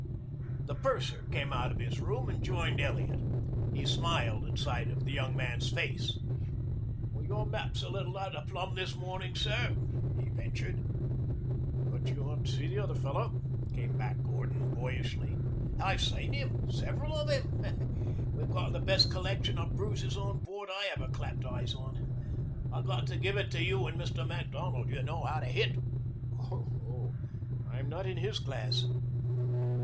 The purser came out of his room and joined Elliot. He smiled at sight of the young man's face. "Your map's a little out of plumb this morning, sir," he ventured. "But you ought to see the other fellow," came back Gordon boyishly. "I've seen him several of him. We've got the best collection of bruises on board I ever clapped eyes on. I've got to give it to you and Mr. Macdonald. You know how to hit." "Oh, I'm not in his class."